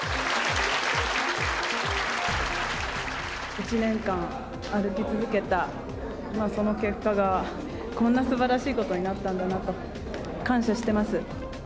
１年間歩き続けたその結果が、こんなすばらしいことになったんだなと、感謝してます。